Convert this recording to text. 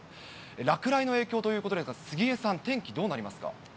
落雷の影響ということで、杉江さん、天気どうなりますか？